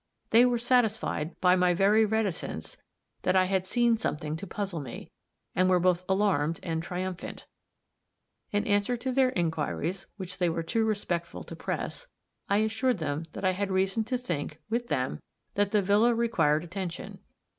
They were satisfied, by my very reticence, that I had seen something to puzzle me, and were both alarmed and triumphant. In answer to their inquiries, which they were too respectful to press, I assured them that I had reason to think, with them, that the villa required attention.